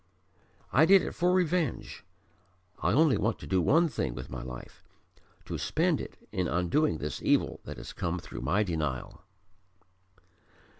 I did it for revenge. I only want to do one thing with my life: to spend it in undoing this evil that has come through my denial."